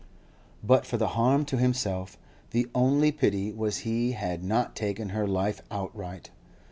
But for the harm to himself, the only pity was he had not taken her life outright.